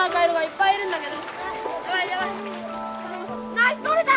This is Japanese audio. ナイスとれた！